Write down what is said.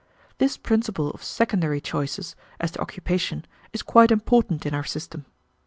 This principle of secondary choices as to occupation is quite important in our system.